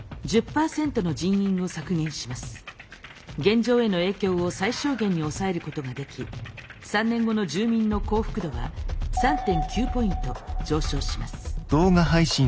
現状への影響を最小限に抑えることができ３年後の住民の幸福度は３．９ポイント上昇します。